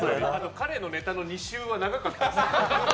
彼のネタの２週は長かったですよ。